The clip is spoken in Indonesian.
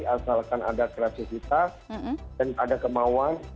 asalkan ada kreativitas dan ada kemauan